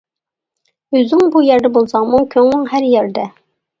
ئۆزۈڭ بۇ يەردە بولساڭمۇ كۆڭلۈڭ ھەر يەردە.